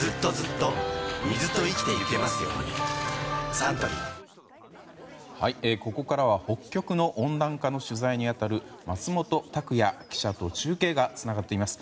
サントリーここからは北極の温暖化の取材に当たる松本拓也記者と中継がつながっています。